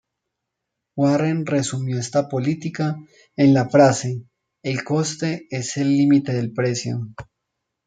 Warren resumió esta política en la frase ""el coste es el límite del precio"".